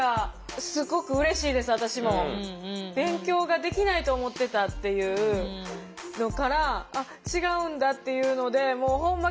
勉強ができないと思ってたっていうのから「あっ違うんだ」っていうのでほんま